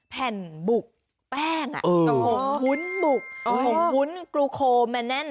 แผ่นบุกแป้งผงบุ้นบุกผงบุ้นกรูโคแมนน